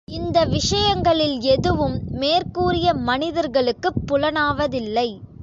இந்த விஷயங்களில் எதுவும் மேற்கூறிய மனிதர்களுக்குப் புலனாவதில்லை.